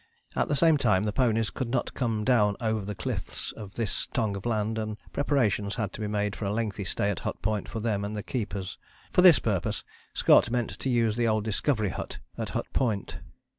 At the same time the ponies could not come down over the cliffs of this tongue of land, and preparations had to be made for a lengthy stay at Hut Point for them and their keepers. For this purpose Scott meant to use the old Discovery hut at Hut Point.